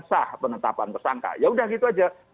sah penetapan tersangka yaudah gitu aja